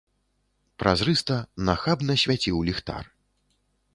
Празрыста, нахабна свяціў ліхтар.